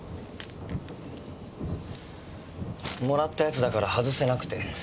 もらったやつだからはずせなくて。